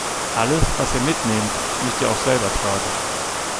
Alles, was ihr mitnehmt, müsst ihr auch selber tragen.